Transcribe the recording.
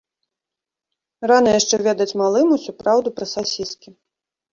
Рана яшчэ ведаць малым усю праўду пра сасіскі.